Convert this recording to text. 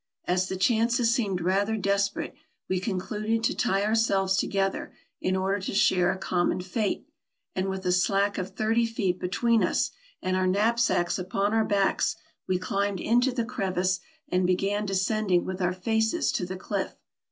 As the chances seemed rather desperate, we concluded to tie ourselves together, in order to share a common fate ; and with a slack of thirty feet be tween us, and our knapsacks upon our backs, we climbed into the crevice and began descending with our faces to the cliff.